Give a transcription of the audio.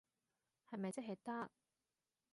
係咪即係得？